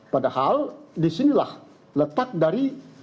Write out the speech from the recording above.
padahal disinilah letak dari